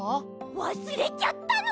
わすれちゃったの！？